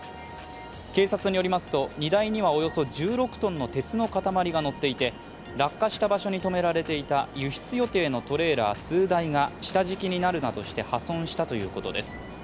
警察によりますと、荷台にはおよそ１６ｔの鉄の塊が載っていて、落下した場所に止められていた輸出予定のトレーラー数台が下敷きになるなどして破損したということです。